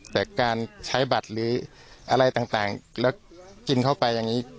แต่การใช้บัตรหรืออะไรต่างแล้วกินเข้าไปอย่างนี้